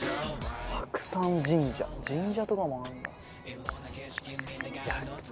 白山神社神社とかもあんだ。